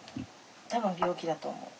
多分病気だと思う。